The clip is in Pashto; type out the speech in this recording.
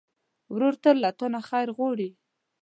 ورور تل له تا نه خیر غواړي.